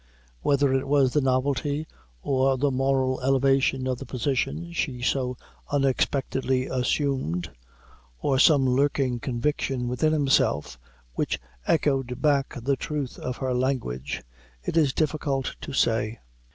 Whether it was the novelty or the moral elevation of the position she so unexpectedly assumed, or some lurking conviction within himself which echoed back the truth of her language, it is difficult to say.